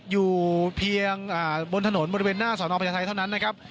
อยู่เพียงบนถนนบริเวณหน้าสอนอพญาไทยเท่านั้นนะครับ